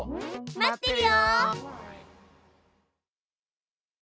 待ってるよ！